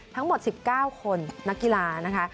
ทั้งหมด๑๙คนนักกีฬานะคะ